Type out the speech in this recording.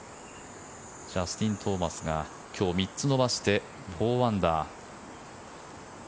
ジャスティン・トーマスが今日３つ伸ばして４アンダー。